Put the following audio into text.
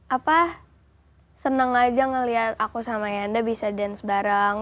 apa seneng aja ngeliat aku sama yanda bisa dance bareng